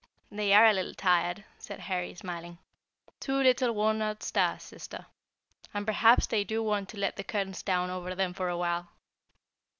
"They are a little tired," said Harry, smiling; "two little worn out stars, sister; and perhaps they do want to let the curtains down over them for awhile."